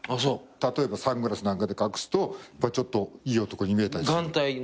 例えばサングラスなんかで隠すとちょっといい男に見えたりする。